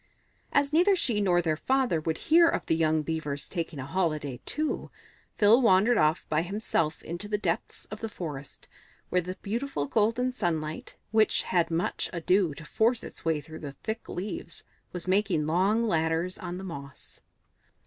As neither she nor their father would hear of the young Beavers taking a holiday too, Phil wandered off by himself into the depths of the forest, where the beautiful golden sunlight, which had much ado to force its way through the thick leaves, was making long ladders on the moss.